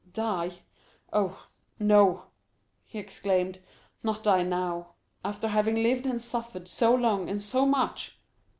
"Die? oh, no," he exclaimed—"not die now, after having lived and suffered so long and so much!